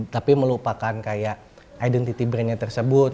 tapi melupakan kayak identity brandnya tersebut